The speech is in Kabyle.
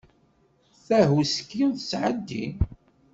Tahuski tettɛeddi.